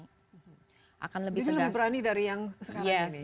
jadi lebih berani dari yang sekarang ini